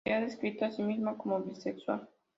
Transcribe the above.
Se ha descrito a sí misma como bisexual.